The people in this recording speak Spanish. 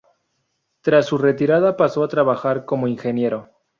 Tras su retirada pasó a trabajar como ingeniero.